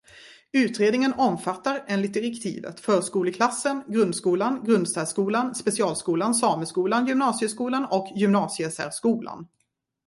Utredningen omfattar enligt direktivet förskoleklassen, grundskolan, grundsärskolan, specialskolan, sameskolan, gymnasieskolan och gymnasiesärskolan.